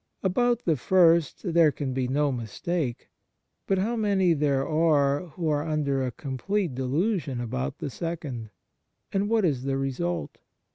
About the first there can be no mistake; but how many there are who are under a complete de lusion about the second ! And what is the result